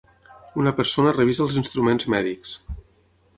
Una persona revisa els instruments mèdics.